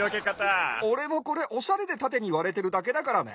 おれもこれおしゃれでたてにわれてるだけだからね。